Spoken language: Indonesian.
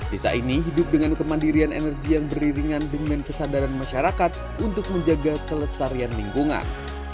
desa ini hidup dengan kemandirian energi yang beriringan dengan kesadaran masyarakat untuk menjaga kelestarian lingkungan